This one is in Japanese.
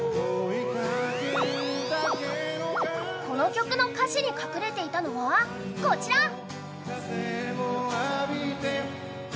この曲の歌詞に隠れていたのはこちら。